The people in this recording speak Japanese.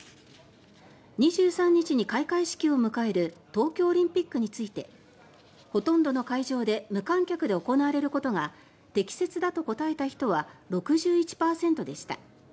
２３日に開会式を迎える東京オリンピックについてほとんどの会場で無観客で行われることが適切だと答えた人は６１％でした。